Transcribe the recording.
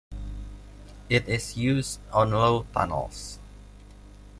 It is used on low tunnels.